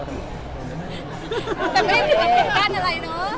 แต่ไม่มีประกันอะไรเนอะ